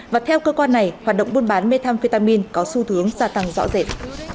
và theo cơ quan này hoạt động buôn bán methamphetamin có xu thướng gia tăng rõ rệt